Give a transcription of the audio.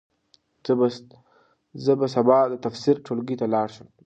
زه به سبا د تفسیر ټولګي ته ولاړ شم.